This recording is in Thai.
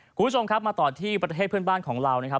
คุณผู้ชมครับมาต่อที่ประเทศเพื่อนบ้านของเรานะครับ